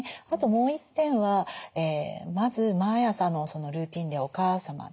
あともう一点はまず毎朝のルーティンでお母様ですね